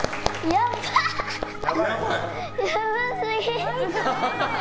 やばすぎ！